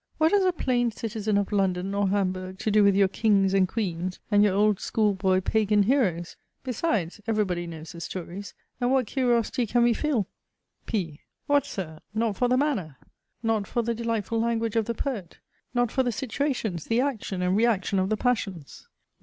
What has a plain citizen of London, or Hamburg, to do with your kings and queens, and your old school boy Pagan heroes? Besides, every body knows the stories; and what curiosity can we feel P. What, Sir, not for the manner? not for the delightful language of the poet? not for the situations, the action and reaction of the passions?